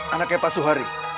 anaknya pak suhari